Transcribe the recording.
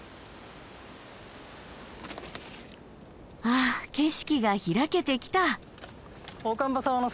あっ景色が開けてきた！